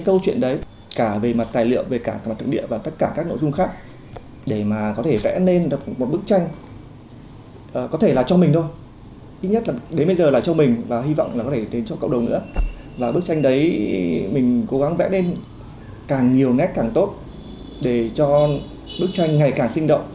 còn bức tranh ngày càng sinh động